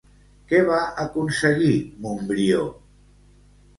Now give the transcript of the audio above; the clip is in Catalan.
Què va aconseguir Montbrió?